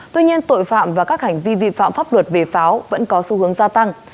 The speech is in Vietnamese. tuy nhiên tội phạm và các hành vi vi phạm pháp luật về pháo vẫn có xu hướng gia tăng